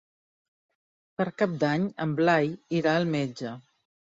Per Cap d'Any en Blai irà al metge.